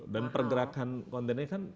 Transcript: dan pergerakan kontainernya kan